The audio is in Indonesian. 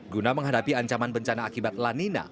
guna menghadapi ancaman bencana akibat lanina